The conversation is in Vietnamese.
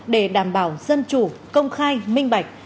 để đảm bảo dân chủ công khai minh bạch